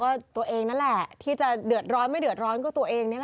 ตัวเองนั่นแหละที่จะเดือดร้อนไม่เดือดร้อนก็ตัวเอง